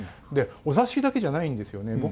で御座敷だけじゃないんですよね。